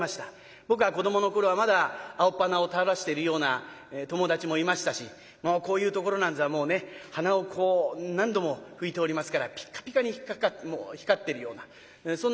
僕が子どもの頃はまだ青っぱなを垂らしているような友達もいましたしこういうところなんざはもうねはなをこう何度も拭いておりますからピカピカに光ってるようなそんな仲間もいた。